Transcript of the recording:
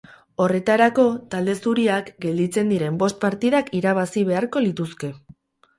Horretarako, talde zuriak gelditzen diren bost partidak irabazi beharko lituzke.